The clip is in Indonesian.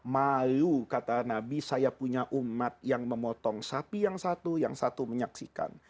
malu kata nabi saya punya umat yang memotong sapi yang satu yang satu menyaksikan